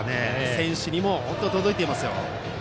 選手にも届いていますよ。